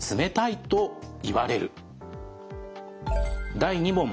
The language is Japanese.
第２問。